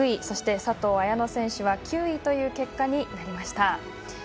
そして佐藤綾乃選手は９位という結果になりました。